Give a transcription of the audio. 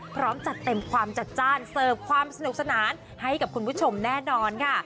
พร้อมจัดเต็มความจัดจ้านเสิร์ฟความสนุกสนานให้กับคุณผู้ชมแน่นอนค่ะ